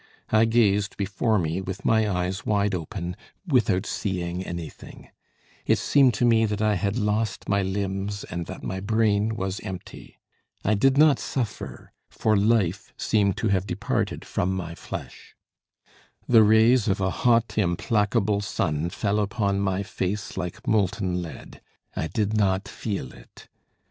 I gazed before me with my eyes wide open without seeing anything; it seemed to me that I had lost my limbs, and that my brain was empty. I did not suffer, for life seemed to have departed from my flesh. The rays of a hot implacable sun fell upon my face like molten lead. I did not feel it.